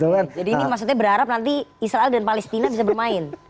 jadi ini maksudnya berharap nanti israel dan palestina bisa bermain